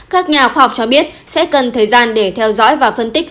các nhà khoa học cho biết sẽ cần thời gian để theo dõi và phân tích